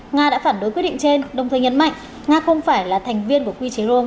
nga đã phản đối quyết định trên đồng thời nhấn mạnh nga không phải là thành viên của quy chế rome